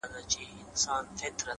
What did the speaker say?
شېخ د خړپا خبري پټي ساتي’